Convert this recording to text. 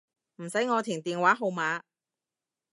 唔使我填電話號碼